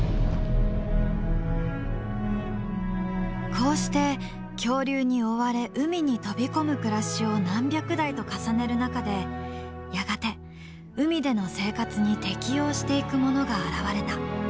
こうして恐竜に追われ海に飛び込む暮らしを何百代と重ねる中でやがて海での生活に適応していくものが現れた。